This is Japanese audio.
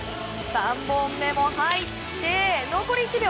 ３本目も入って残り１秒。